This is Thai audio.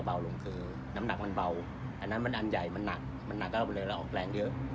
บากเป็นอันใหญ่ตีจะออกแรงเยอะ